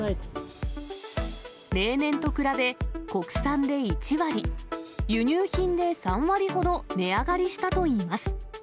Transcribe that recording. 例年と比べ、国産で１割、輸入品で３割ほど値上がりしたといいます。